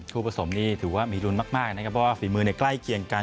คู่ผสมนี้ถือว่ามีรุนมากนะครับว่าฝีมือในใกล้เกียงกัน